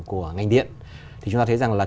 của ngành điện thì chúng ta thấy rằng là